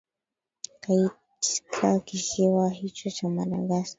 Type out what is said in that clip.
kaitka kisiwa hicho cha madagascar